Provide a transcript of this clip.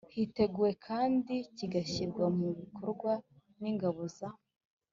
hiteguwe kand kigashyirwa mu bikorwa n'ingabo za